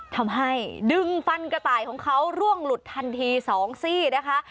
ทำให้ดึงฟันกระต่ายของเขาร่วงหลุดทันที๒ซี่นะคะ